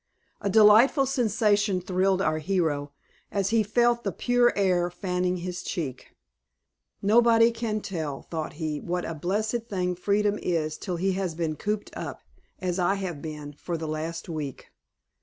A delightful sensation thrilled our hero, as he felt the pure air fanning his cheek. "Nobody can tell," thought he, "what a blessed thing freedom is till he has been cooped up, as I have been, for the last week.